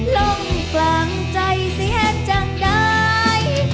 ลงกลางใจสัญญาจังได้